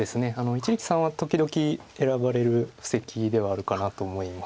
一力さんは時々選ばれる布石ではあるかなと思います。